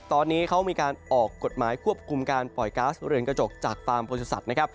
ตอนนี้เขามีการออกกฎหมายควบคุมการปล่อยก๊าซเรือนกระจกจากฟาร์มบริษัทนะครับ